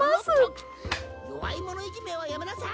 「よわいものいじめはやめなさい！」